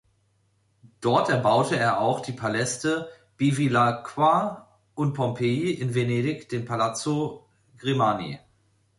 Dort erbaute er auch die Paläste "Bevilacqua" und "Pompei", in Venedig den "Palazzo Grimani".